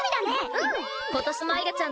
うん！